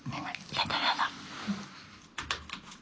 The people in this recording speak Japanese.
やだやだ。